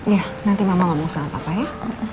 iya nanti mama gak mau usahapa ya